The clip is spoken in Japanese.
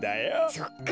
そっか。